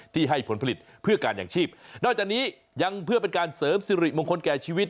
ที่ให้ผลผลิตเพื่อการอย่างชีพนอกจากนี้ยังเพื่อเป็นการเสริมสิริมงคลแก่ชีวิต